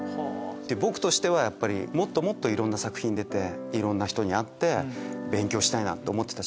僕としてはもっともっといろんな作品に出ていろんな人に会って勉強したいなって思ってたし。